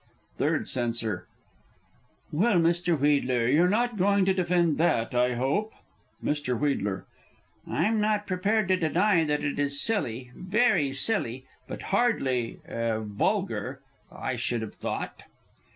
Third C. Well, Mr. Wheedler, you're not going to defend that, I hope? Mr. W. I'm not prepared to deny that it is silly very silly but hardly er vulgar, I should have thought?